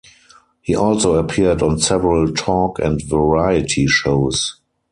He also appeared on several talk and variety shows.